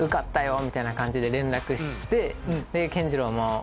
みたいな感じで連絡して健二郎も。